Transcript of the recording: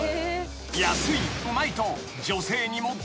［安いうまいと］